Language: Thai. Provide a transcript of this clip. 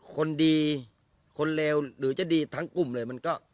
คนดีคนเลวหรือจะดีทั้งกลุ่มเลยมันก็